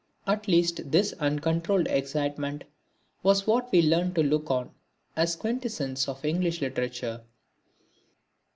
At least this uncontrolled excitement was what we learnt to look on as the quintessence of English literature.